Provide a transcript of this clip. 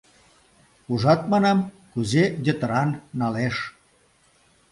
— Ужат, манам, кузе йытыран налеш!